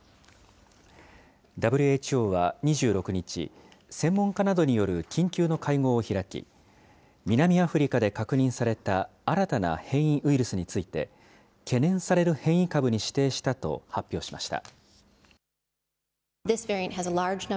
ＷＨＯは２６日、専門家などによる緊急の会合を開き、南アフリカで確認された新たな変異ウイルスについて、懸念される変異株に指定したと発表しました。